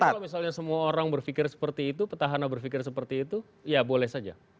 jadi kalau misalnya semua orang berpikir seperti itu petahana berpikir seperti itu ya boleh saja